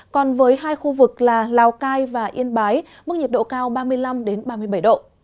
còn với hai khu vực là lào cai và yên bái mức nhiệt độ cao ba mươi năm ba mươi bảy độ